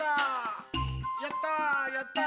やった！